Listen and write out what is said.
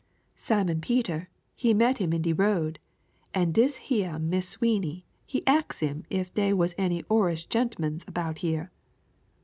Simon Peter he meet him in de road, an' dis heah Mis' Sweeney he ax him ef dey was any Orrish gentmans 'bout here.